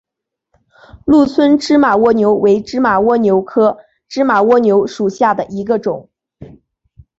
鹿村芝麻蜗牛为芝麻蜗牛科芝麻蜗牛属下的一个种。